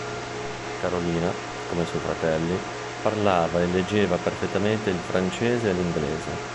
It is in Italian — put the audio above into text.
Carolina, come i suoi fratelli, parlava e leggeva perfettamente il francese e l'inglese.